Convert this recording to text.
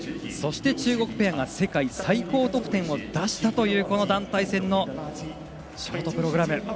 そして、中国ペアが世界最高得点を出したというこの団体戦のショートプログラム。